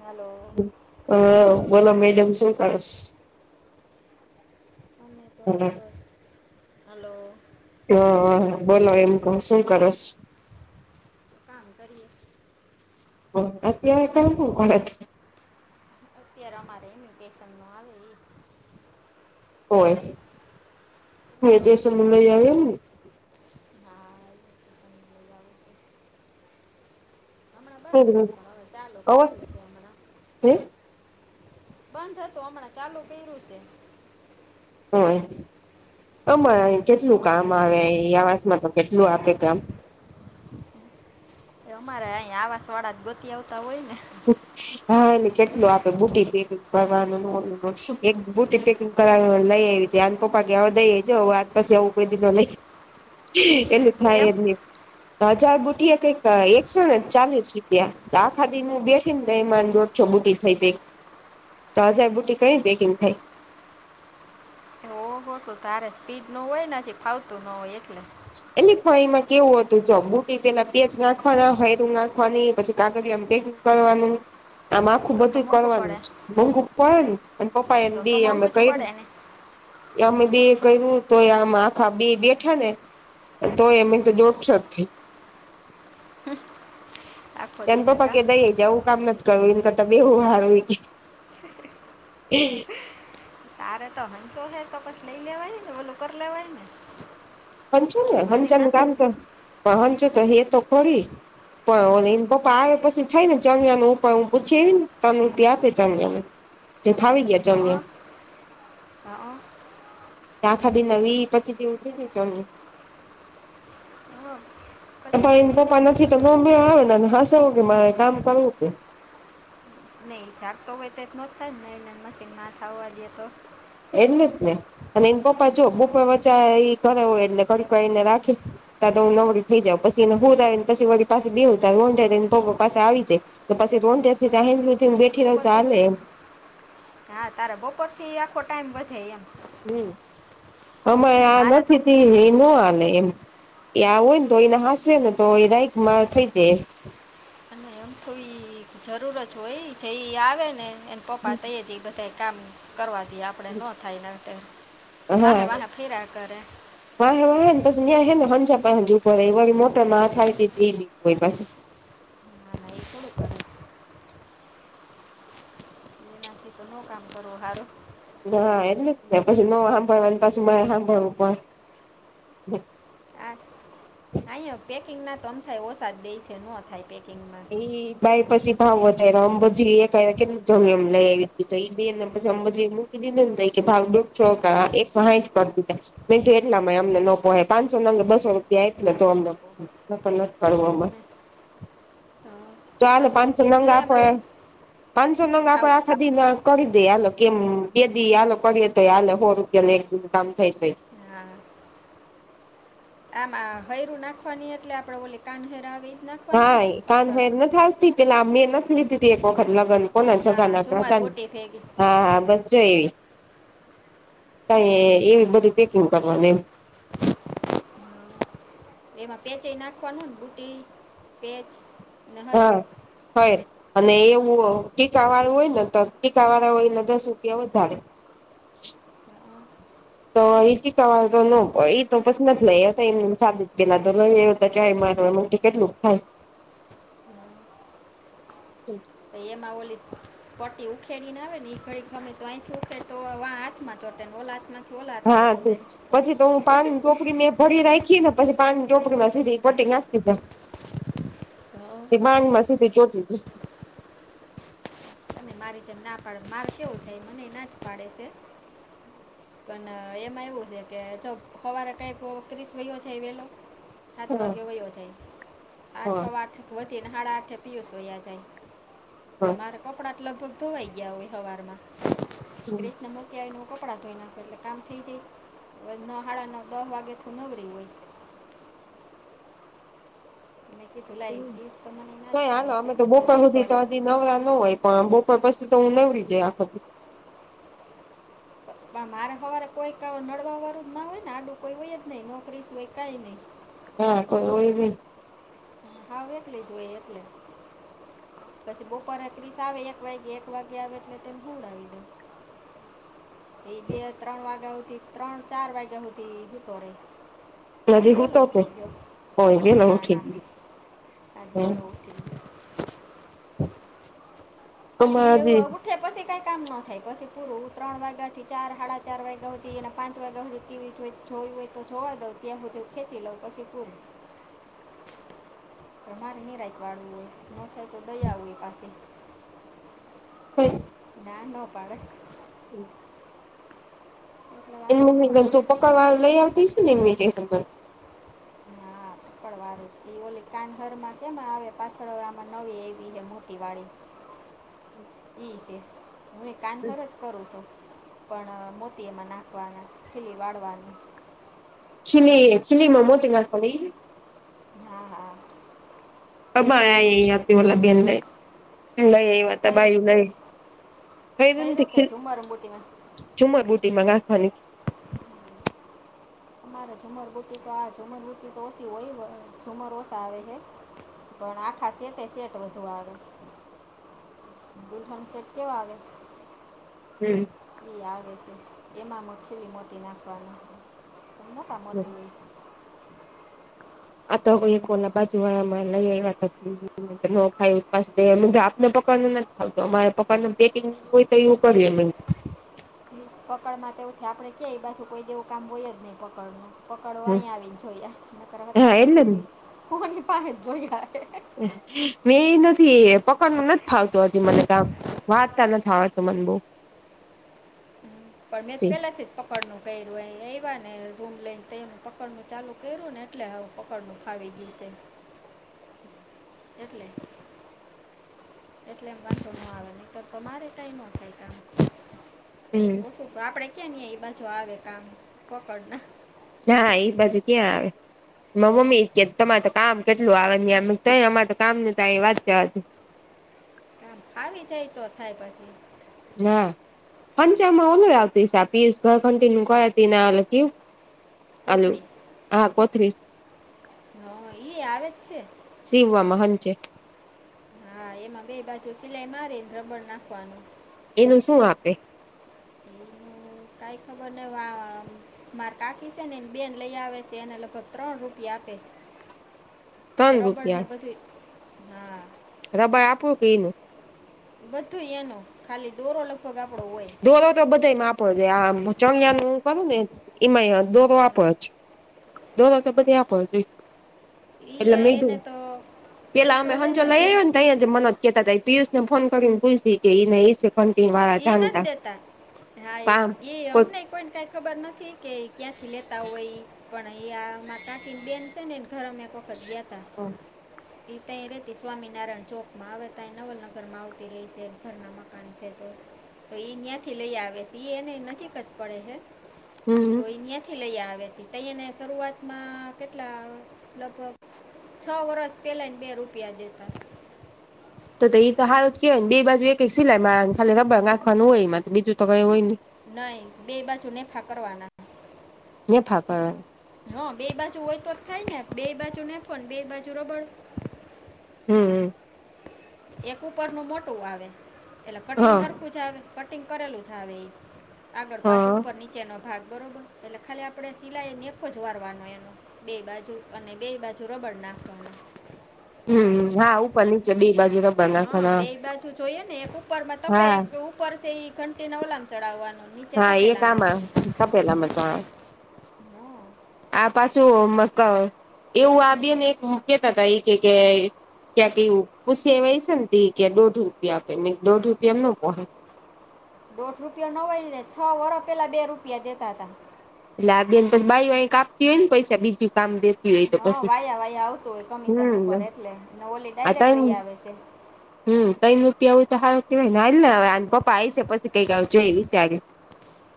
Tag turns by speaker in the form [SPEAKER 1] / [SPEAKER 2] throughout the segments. [SPEAKER 1] Hello
[SPEAKER 2] હ બોલો madam શું કરસ
[SPEAKER 1] અને
[SPEAKER 2] હમ.
[SPEAKER 1] હલો
[SPEAKER 2] હ હ બોલો એમ કો શું કરોશ
[SPEAKER 1] કામ કરીએ
[SPEAKER 2] અત્યારે [unintelligible]
[SPEAKER 1] અત્યારે અમારે વેકેશનમાં આવે એ
[SPEAKER 2] હોય [unintelligible] લઈ આવે ને
[SPEAKER 1] હા ઇમિટેશન લઈ આવે છે હમણાં બંધ હતું હવે ચાલો કેવું છે. હમણાં
[SPEAKER 2] હમ.
[SPEAKER 1] બંધ હતું હમણાં ચાલુ કર્યું છે.
[SPEAKER 2] હ અમાં કેટલું કામ આવે આવાસમાં તો કેટલું આપે કામ
[SPEAKER 1] અમારે અહીં આવાસ વાળા જ ગતી આવતા હોય ને
[SPEAKER 2] હા એટલે કેટલું આપે બુટી પેકંગ કરવાનું બુટી પેંગ લઈ આવી અને પપા કેવા દઈ હ આ પાછ એવું દીધું લઈ.
[SPEAKER 1] [inaudible]
[SPEAKER 2] એનું થાય
[SPEAKER 1] કેમ
[SPEAKER 2] એમ. હજાર બુટિયા કઈક એકસો ને ચાલીસ રૂપિયા આ ખાતે. હું બેઠી ને એમાં દોઢ છો બુટી થઈ પે તો હજાર બુટી કઈ પેકિંગ થાય.
[SPEAKER 1] ઓવો તું તારે સ્પીડ નું હોયને પછ ફાવતું ન હોય એટલે
[SPEAKER 2] એટલે પણ એમાં કેવું હતું જો બુટી પેલા પેજ નાખવાના હોયું નાખવાની પછી કાગળમ ભે કરવાનું. આમ આખું
[SPEAKER 1] તો તો
[SPEAKER 2] બધું
[SPEAKER 1] મોંઘું
[SPEAKER 2] કરવાનું
[SPEAKER 1] પડે
[SPEAKER 2] છે મમુ પે ને પપ્પા એને દ અમે ક
[SPEAKER 1] ડને
[SPEAKER 2] અમે બે કર્યું તો આમ આખા બે બેઠા ને તોય એમે તો જોડશો જ.
[SPEAKER 1] આખો
[SPEAKER 2] એને
[SPEAKER 1] દિને
[SPEAKER 2] પપા ક
[SPEAKER 1] કા
[SPEAKER 2] કે દઈ જાયવ કામ નથી. કરુંને તો તમેવું હારું કે
[SPEAKER 1] તારે તો હંસો હેર તોકસ લઈ લેવાય ને બોલો કર લેવાય ને
[SPEAKER 2] હંચો ને
[SPEAKER 1] મશીન
[SPEAKER 2] હંચન
[SPEAKER 1] નથી
[SPEAKER 2] કામ તો પણ હંચુ તો હે તો ખોડી. પણ ઓ એને પપ્પા આવે પછી થાય ને ચણ્યાનું ઉપ હું પૂછીને તન રપ આપે ચણ્યા ને જે ફાવી ગયા.
[SPEAKER 1] હા હા
[SPEAKER 2] આખાદી ના વી પચી જેવું થઈ જાય. ચમ.
[SPEAKER 1] હા પછી
[SPEAKER 2] ભાઈ એને
[SPEAKER 1] કરી
[SPEAKER 2] પપા
[SPEAKER 1] દીસ
[SPEAKER 2] નથી તોમે આવે ને હસવું કે મારે કામ કરવું કે
[SPEAKER 1] નહી જડ તો હોય તો જ ન થાય ને મશીન ના થવા દેએ તો
[SPEAKER 2] એટલે જ ને અને એને પપ્પા જો બપા વચ્ચા એ કરે હોય એટલે કડકા એને રાખી. ત નકળી થઈ જાવ પછી એને હું આવેને પછી વ પાછ બે હું તંને પપ પાસે આવી જાય. તો પછી રો
[SPEAKER 1] બપોર કશી હા તારેા બપોર થી આખો ટાઈમ વધે એમ.
[SPEAKER 2] હમ અમા
[SPEAKER 1] ને
[SPEAKER 2] આ
[SPEAKER 1] મારે તો-
[SPEAKER 2] નથી ત એ ન હાલે એમ. એ આવ હોય ને તો એના હાસવે ને તો એ દાય માર થઈ જાય.
[SPEAKER 1] અને એમ થોડી જરૂરત હોય એ જઈ આવે ને એને પપ્પા તઈ જ બધા. કામ કરવા દઈએ આપણે ન થાયને વાહે વાહ ફેરા કરે
[SPEAKER 2] વા વાને બસ ને હંજાપ ઉભર વ મોટર માથળ તે બસ.
[SPEAKER 1] [unintelligible] બાથી તોનું કામ કરોું હારું.
[SPEAKER 2] નાા એટલે જ ને પછી નવ સાંભળવા પાછી મારે સાંભળવું પડ
[SPEAKER 1] હા [unintelligible] પેકિંગ ના તોમ થાય ઓછા જ દે છે ન થાય પેકિંગમાં
[SPEAKER 2] એ બાઈ પછી ભાવ વધારે અંબાજી એક કેટલું જમ્યું એમ લઈ આવી તી તો એ બેને પછી અંબાજી [unintelligible] કે ભાવડોક છો કા એક સાઈઠ કર દીધા મીઠું એટલામાં એ અમને ન પોહે પાંનસો નંગ બસો રૂપિયા આપ ને તો અમને બઉ [unintelligible] કરવામાં
[SPEAKER 1] હા,
[SPEAKER 2] ચાલો
[SPEAKER 1] પાછી
[SPEAKER 2] પાંચસો
[SPEAKER 1] સ્પીડ
[SPEAKER 2] નંગા
[SPEAKER 1] જોઈએ
[SPEAKER 2] આપ
[SPEAKER 1] આમાં
[SPEAKER 2] પાંચસો નંગા આપ
[SPEAKER 1] આવ
[SPEAKER 2] આ ખા ના કરી દે આાલો કેમ બેદી આાલ કરીએ તો આલે હો રૂપિયા એક દિ કામ થાય તોય.
[SPEAKER 1] હા આમાં હૈરું નાખવાની એટલે આપણેે બોલી કાનહેર આવી.
[SPEAKER 2] હા એ કાન ફર નથી આવતી પેલા મેં નથી લીધીી એક વખત લગ્ન કોના
[SPEAKER 1] હા
[SPEAKER 2] છોગા નાક
[SPEAKER 1] ઝુમર બુટી ભેગી
[SPEAKER 2] હા હા બસ જો એવી. કાય એવી બધું પેકિંગ કરવાની એમ
[SPEAKER 1] એમાં પેચ એ નાખવાનું ને બુટી પેચ ને હૈર
[SPEAKER 2] હ હોય અને એવું ટીકા વાળું હોય ને તો ટીકા વાળ હોયને દસ રૂપિયા વધારે
[SPEAKER 1] હા,
[SPEAKER 2] તો ઇટીકા વાળો [unintelligible] કેટલુંક થાય
[SPEAKER 1] તો એમાં ઓલીસ પટી ઉખેડી ને આવે ને એ ઘડી ગમે તો અહીં થી ઉખેડ તો વા હાથ માં ચોટે ને ઓલા હાથમાં ઓલા
[SPEAKER 2] હા
[SPEAKER 1] ચોટે
[SPEAKER 2] પછી તો હું પાન [unintelligible] પુરી મે ભરી રાખીએ ને પછી પાણીની ચોપડીમાં સીધી કટીંગ નાખી દીધા તે માંગમાં સીધી ચોટલી
[SPEAKER 1] અને મારી જેમ ના પાડે માર કેવું થાય મને એ ના જ પાડે છે પણ એમાં એવું છે કે જો સવારે કઈ ક્રીસ ભયો છે વેલો સાત
[SPEAKER 2] હા
[SPEAKER 1] વાગે હો યો જાય આઠ
[SPEAKER 2] હા
[SPEAKER 1] આઠ વધીને હાળ આઠે પિયુસયા જાય
[SPEAKER 2] હા
[SPEAKER 1] તો મારે કપડાં લગભગ ધોવાઈ ગયા હોય હવારમાં ત્રીસ નંબર ક્યાંયનું કપડાં ધોઈ નાખો એટલે કામ થઈ જાય નહાળ ન દહ વાગેથી નવરી હોય મેં કીધું
[SPEAKER 2] હ
[SPEAKER 1] લાઈ પિયુષ તો મને ના જ
[SPEAKER 2] કઈ હાલો
[SPEAKER 1] પાડે છે
[SPEAKER 2] અમે તો
[SPEAKER 1] કે
[SPEAKER 2] બપર
[SPEAKER 1] નથી
[SPEAKER 2] સુધી તો
[SPEAKER 1] કરું
[SPEAKER 2] હજી નવરા ન હોય પણ બ પણ પસી તો હું નવરી જઈ આખો દી
[SPEAKER 1] પણ મારે સવારે કોઈ ક નડવા વાળું ના હોય ને આડું કોઈ હોય જ નહી નોકરી સુ હોય કઈ નઈ
[SPEAKER 2] હા કોઈ બી
[SPEAKER 1] હાહું એકલીજ હોય એટલે પછી બપોરે ત્રીસ આવે એક વાગે એક વાગે આવે એટલે તેને હુવડાવી દઉ
[SPEAKER 2] હમ
[SPEAKER 1] એ બે ત્રણ વાગ્યા હુદી ત્રણ ચાર વાગ્યા હુદી હૂતો રેય આજે
[SPEAKER 2] હજી
[SPEAKER 1] વેલો
[SPEAKER 2] હુંતો કે
[SPEAKER 1] ઉઠી ગીયો
[SPEAKER 2] હોય વેલો
[SPEAKER 1] ના
[SPEAKER 2] ઉઠી
[SPEAKER 1] ના આજે
[SPEAKER 2] ગયો
[SPEAKER 1] વેલો ઉઠી ગયો
[SPEAKER 2] [inaudible]
[SPEAKER 1] પસી એ એવુ
[SPEAKER 2] હજી
[SPEAKER 1] આવું ઠ પછી કંઈ કામ ન થાય પછી પૂરું ત્રણ વાગ્યાથી ચાર હાડા ચાર વાગ્યા હતી એના પાંચ વાગ્યાતી ટીવી હોય જોયું હોય તો જોવા દઉ ત્યાં હું ખેંચી લઉં પછી પુરુ મારે નિરાયકવાળું હોય ની થાય તો દયા આવે પાશી
[SPEAKER 2] હ
[SPEAKER 1] ના નો પાડે
[SPEAKER 2] હમ
[SPEAKER 1] એટલે વાંધો
[SPEAKER 2] એમનું
[SPEAKER 1] ન
[SPEAKER 2] ની
[SPEAKER 1] આવે
[SPEAKER 2] ગમતું પકડવા લઈ આવતી ને [unintelligible]
[SPEAKER 1] ના પણ વારું જ એ ઓલી કાન ઘરમાં કેમાં આવે પાછળ આમાં નવે એવી હ મોતી વાડી [inaudible]
[SPEAKER 2] હમ
[SPEAKER 1] હું એ કાન ઘર જ કરું છું. પણ મોતી એમાં નાખવાના ખીલી વાળવાની.
[SPEAKER 2] ખિલી ખીલીમાં મોતી નાખવા ન
[SPEAKER 1] હા હા.
[SPEAKER 2] અબ [unintelligible] આતી ઓલા બેન લઇ
[SPEAKER 1] ખૈરું
[SPEAKER 2] આય
[SPEAKER 1] ખૈરું કે ઝુમર બુટીમાં
[SPEAKER 2] [unintelligible] ચુમર બુટીમા નાખવાની
[SPEAKER 1] મારે ઝુમરગુટ્ટટી તો આ ઝુમરગુટ્ટટી તો ઓછી હોય ઝુમર ઓછા આવે હે પણ આખા સેટે સેટ વધુ આવે દુહન સેટ કેવા આવે
[SPEAKER 2] હમ
[SPEAKER 1] આવે છે એમાંમ ખીલી મોટી નાખવાનું મોટા મોટી હોય
[SPEAKER 2] આ તો એ ઓલા બાજુ વાળા મા લઈ આયવા તા [inaudible] ન ખાય પા આપને પકવાનું નથી ખાવતું અમારે પકવાનું પેકિંગ હોય. તો એવું કરીએ બેન.
[SPEAKER 1] પકડ માં તેવું થાય આપડે કયા બાછુ કોઈ જેવું કામ હોય જ નહીં પકડ નું પકડવા અહીયા આવી જોયાર
[SPEAKER 2] હા
[SPEAKER 1] અત્યાર
[SPEAKER 2] એટલે જ
[SPEAKER 1] સુધી કોની પાસે જોયા
[SPEAKER 2] મેં એ નથી પકડનું નથી ફાવતું હજી મને કામ. વાત તા નથી આવડતું થ આવે તો મન બુ.
[SPEAKER 1] પર મે પહેલા છે. પકડનું કર્યું એ આવ્યા ને રૂમ લઈને તો હ પકડનું ચાલુ કર્યું ને એટલે અહું પકડનું ફાવી ગયું છે.
[SPEAKER 2] હમ.
[SPEAKER 1] એટલે. એટલે મા તો ન આવે નીતર તોમારે ટાઈમ ઓ થાય કામ.
[SPEAKER 2] હમ
[SPEAKER 1] ઓછું આપડે ક્યાં નહી એ બાજુ આવે કામ પકડ ના.
[SPEAKER 2] હા એ બાજુ ક્યાં આવે. મારે મમ્મી કે તમારેર કામ કેટલું આવે ન્યા તયે અમારે તો કામ ન ત વાતચવા
[SPEAKER 1] આવી જાય તો થાય પછી.
[SPEAKER 2] ના. હંચમાં ઓ આવતી સા પીયસ ઘર કન્ટિન્યુ કરતી ના ઓલે કું. અલ
[SPEAKER 1] કોથળી
[SPEAKER 2] હા કોથશ [unintelligible]
[SPEAKER 1] હ ઇ આવે જ છે.
[SPEAKER 2] સીવવા મહન છે.
[SPEAKER 1] હા એમાં બે બાજુ સિલાઈ મારીને રબડ નાખવાનું.
[SPEAKER 2] એનું શું આપે.
[SPEAKER 1] કઈ ખબર નહ વા મારે કાકી સેનીને બેન લઈ આવે છે એ લગભગ ત્રણ રૂપિયા આપે છે.
[SPEAKER 2] ત્રણ
[SPEAKER 1] રોબર્ડ ને બધું હા
[SPEAKER 2] રબર્ડ આપું ઈકે એનું
[SPEAKER 1] બધું એનો ખાલી દોરો લગભગ આપણો હોય.
[SPEAKER 2] દોરો તો બધામાંડ છે આમ ચણિયા ન કરું ને એમાંય અડદો [unintelligible] ડે છે દો દો તો બધી આપો જો.
[SPEAKER 1] ઈ
[SPEAKER 2] એટલે
[SPEAKER 1] આ એને
[SPEAKER 2] મેધું
[SPEAKER 1] તો
[SPEAKER 2] પેલા
[SPEAKER 1] ખંચો
[SPEAKER 2] અમે
[SPEAKER 1] છે
[SPEAKER 2] હંજો
[SPEAKER 1] ને તો
[SPEAKER 2] લઈ આવ. તં જ મ જ કેતા હતા પિયુષનેન કરીને પૂછ કે ઇ નને એ શ. પણકે વાત-
[SPEAKER 1] ઈ નથી દેતા હા એ
[SPEAKER 2] કોઈક
[SPEAKER 1] અમને પણ કઈ ખબર નથી કે ક્યાંથી લેતા હોય પણ અયા માર કાકી બેન છે એન ઘરમાં એક વખત ગયા તા.
[SPEAKER 2] હા.
[SPEAKER 1] દી તઈ રહેતી સ્વામિનારાયણ ચોકમાં આવેતાય નવલનગરમાં આવતી રહી શેર ઘરના મકાન અને છે તો. તો એ ન્યાંથી લઈ આવે છે એ એને નક જ પડે છે તો
[SPEAKER 2] હમ
[SPEAKER 1] એ્યા થી લઈ આવે ત તહીને શરૂઆતમાં કેટલા લગભગ છ વરષ પહેલાંને બે રૂપિયા દેતા
[SPEAKER 2] તો એ તો હારું જ કેવાય ને બે બાજુ એક સિલાઈ મા ખાલી રબર નાખવાનું હોય એમાં તો બીજું તો કઈ હોય ની.
[SPEAKER 1] નહી બે બાજુ નેફા કરવાના.
[SPEAKER 2] ને ફાક.
[SPEAKER 1] હા બે બાજુ હોય તો જ થાય ને બે બાજુ નેફો ને બે બાજુ રબડ.
[SPEAKER 2] હમમ.
[SPEAKER 1] એક ઉપરનું મોટું આવે એટલે
[SPEAKER 2] હા
[SPEAKER 1] કટિંગર હરખુ આખું છે આવે કટિંગ કરેલું છે આવે એ આગળ પાછું
[SPEAKER 2] હા
[SPEAKER 1] ઉપર નીચેનો ભાગ બરોબર. એટલે ખાલી આપણે સિલાઈ નેખો જ વારવાનો એનો બે બાજુ અને બે બાજુ રબડ નાખવાનું.
[SPEAKER 2] હમ હા ઉપર નીચે બે બાજુ રબર
[SPEAKER 1] હા
[SPEAKER 2] નાખવાના
[SPEAKER 1] બે બાજુ જોઈએે ને એક ઉપર માં ત
[SPEAKER 2] હા
[SPEAKER 1] એક ઉપર છે એ ઘંટી નવલામ ચડાવવાનું
[SPEAKER 2] હા એ કામ તપેલામ ચાણા
[SPEAKER 1] હા
[SPEAKER 2] આ પાછું મક એવું આપી ને એક કેતા તા એ કે કે ક્યાંક એ પૂછી એ એ છે કે દોઢ રૂપિયા આપે દોઢ રૂપિયા એમ ન પહો
[SPEAKER 1] દોઢ રૂપયો ન હોય ને છ વરા પેલા બે રૂપિયા દેતા હતા.
[SPEAKER 2] એટલે આ બેન પી બાયઓ ક આપતી હોય ને પૈસા બીજ કામ દે
[SPEAKER 1] હા વાયા વાયા આવતું હોય કમિશન ઉપર
[SPEAKER 2] હમ
[SPEAKER 1] એટલે ને ઓલી ડાયરેક્ટ લઈ આવે છે.
[SPEAKER 2] હમ્મ કઈ નપિયા આવું તો હાર કેવાય હાલ હવે પપ્પા આ છે પછ કઈક આવ જોઈ વિચાર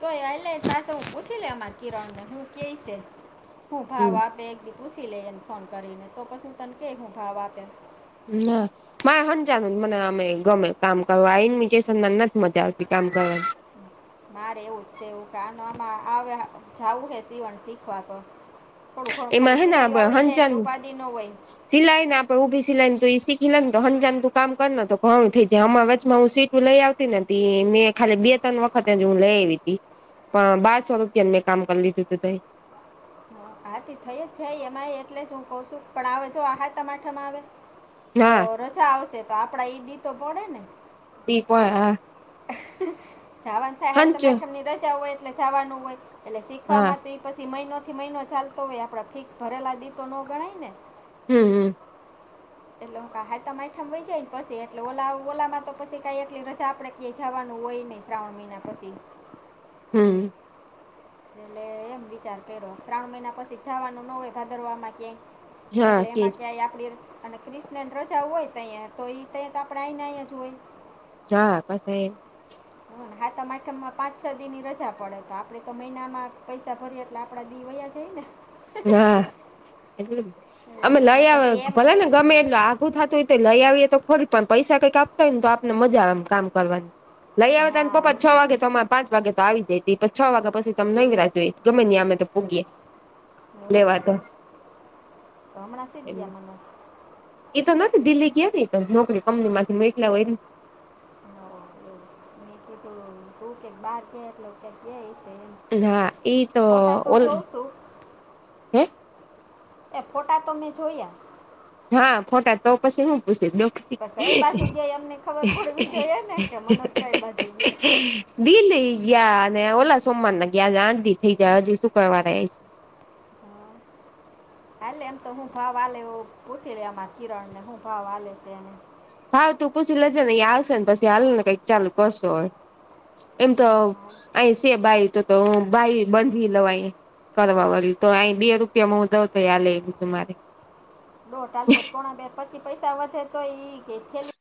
[SPEAKER 1] તો એ એલે સું પૂછી લે અમારી કિરણ ને હું કે છે હું
[SPEAKER 2] હમ
[SPEAKER 1] ભાવ આપે. પૂછી લઈએને ફોન કરીને તો કશું તને ક હું ભાવ આપેમ
[SPEAKER 2] ન. હ હંજાન મને અમે ગમે કામ કરવા ઈન્મિટેશનને નથી મજા આવતી કામ કરવાની.
[SPEAKER 1] મારે એવું જ છે એવું કે આ આમાં આવે જવું છે સવણ શીખવા તો. થોડું ખણું
[SPEAKER 2] એમાં
[SPEAKER 1] ખાલી સિલાયું આવડી જાય એટલે ઉપાધિ ન હોય.
[SPEAKER 2] સિલાય ને આપે ઉઊભી સિલાઈને ત ઈ શીખી લેની ત હનજાન તું કામ કર લે ને ઘણું થઈ જાય હમારા વચમાં હું સીટું લઈ આવ તી નથી મેં ખાલી બે ત્રણ વખતે જ હું લઈ આવી તી. પણ બાાર સ્વરૂપથી અ મેં કામ કરી લીધું તું તયે
[SPEAKER 1] હ આથી થઈ જ જાય એમાંય એટલે જ હું કઉ છું પણ આવે જો આહા તમાઠામાં આવે તો
[SPEAKER 2] હા
[SPEAKER 1] રજા આવશે તો આપડા એઈ દી તો પડે ને.
[SPEAKER 2] દીપો હ.
[SPEAKER 1] જાવન થાય હાય તો
[SPEAKER 2] હંચ
[SPEAKER 1] માથમની રજા હોય એટલે જવાનું હોય એટલે
[SPEAKER 2] હા
[SPEAKER 1] શીખવામાંથી ત્ય પછી મહિનોથી મહિનો ચાલતો હોય આપણા ફિક્સ ભરેલા દી તો ન ગણાય ને.
[SPEAKER 2] હમ્મ હમ્મ
[SPEAKER 1] એટલે હું ક ઈ હાયતમ આઠમ વઈ જાય ને પછી એટલે ઓલા ઓલામાં તો પછી કઈ એટલી રજા આપડે ક્યાંય જવાનું હોય નહીં શ્રાવણ મહિના પછી
[SPEAKER 2] હમ્મ
[SPEAKER 1] એટલે એમ વિચાર કર્યો શ્રાવણ મહિના પછી જવાનું ન હોય ભાદરમાં ક્યાંય
[SPEAKER 2] હા
[SPEAKER 1] એટલે એમાં
[SPEAKER 2] કેજ
[SPEAKER 1] ક્યાંય આપડી અને ક્રિ્ણન રજા હોય તો તહીયા તો એ તયા તો આપણે અહીંને અહીંયા જ હોય
[SPEAKER 2] જા કસ એ
[SPEAKER 1] હ હા તો માઠમમાં પાંચ છ દિની રજા પડે તો આપડે તો મહિનામાં પૈસા ભરીએ એટલે આપ આપડા દી વૈયા જઈએને
[SPEAKER 2] હા
[SPEAKER 1] ને
[SPEAKER 2] અમે
[SPEAKER 1] એટલે
[SPEAKER 2] લયા
[SPEAKER 1] પછી એમ
[SPEAKER 2] ભલા ને ગમે એટલે આગું થતું હોય તો લઈ આવીએ તો ખોરી પણ પૈસા કંઈક આપતા હોય ને તો આપને મજા આવેમ કામ કરવાની લઈ આવે તને
[SPEAKER 1] હા
[SPEAKER 2] પપ્પા
[SPEAKER 1] ઈ.
[SPEAKER 2] છ વાગે તોમારું પાંચ વાગે તો આવી જાઈ તી પછી પણ છ વાગ્યા પછી તમે ન રાહ જોઈએ ગમે ન અમે તો પોગીયે
[SPEAKER 1] હલો તો હમણાં સિધ ગયા
[SPEAKER 2] એ તો નથી દિલ્હી ગયા ને ઇ તો નોકરી કંમની માથી મેકલા હોય ને.
[SPEAKER 1] હ બસ મે કીધું ત કેક [inaudible] બાર કે એટ કે ગ છે એમ
[SPEAKER 2] હા ઈ
[SPEAKER 1] ફોટા તો
[SPEAKER 2] ઓલ
[SPEAKER 1] જોઉં શું.
[SPEAKER 2] હે
[SPEAKER 1] એ ફોટા તો મેં જોયા.
[SPEAKER 2] હા ખોટા તો પછી હું પૂછીઉ
[SPEAKER 1] પણ કઈ બાજુ ગયા એમને ખબર પડવી જોઈએ ને કે મનોજ કઈ બાજુ ગયા
[SPEAKER 2] દિલ્હી ગયા અને ઓલા સોમવાર ના ગયા આજ આઠ દી થઇ જાહે હજી શુક્રવારે એ
[SPEAKER 1] હા. હાલે એમ તો હું ભાવ વાલે એવું પૂછી લે અમારા કિરણ ને હું ભાવ હાલે છે અને
[SPEAKER 2] હા તું પૂછી લેજે ને એયા આવશે ને પછી હાલ ને કંઈક ચાલુ કરશો હવે એમ તો આહી શે બાઈ તો તો બાઈ બાંધવી લવાય કરવા વાળી તો અહી બે રૂપિયામાં હુ દઉ તો આલેે એ મારે.
[SPEAKER 1] દોટાલતો પોણા બે પચી પૈસા વધે તો ઈ થેલી.